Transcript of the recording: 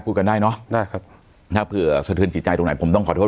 กันได้เนอะได้ครับถ้าเผื่อสะเทือนจิตใจตรงไหนผมต้องขอโทษ